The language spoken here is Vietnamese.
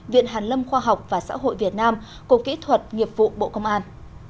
viện hàn lâm khoa học và xã hội việt nam cục kỹ thuật nghiệp vụ bộ công an